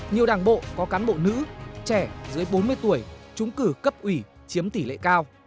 nhiều đảng bộ có cán bộ nữ trẻ dưới bốn mươi tuổi chúng cử cấp ủy chiếm tỷ lệ cao